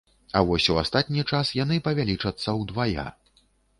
А вось у астатні час яны павялічацца ўдвая.